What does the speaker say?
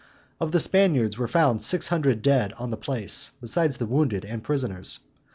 Of the Spaniards were found six hundred dead on the place, besides the wounded and prisoners.